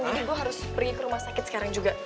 jadi gue harus pergi ke rumah sakit sekarang juga